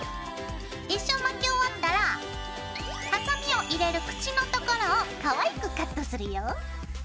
一周巻き終わったらハサミを入れる口のところをかわいくカットするよ。